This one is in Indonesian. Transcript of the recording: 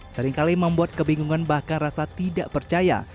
seringkali membuat kebingungan bahkan rasa tidak percaya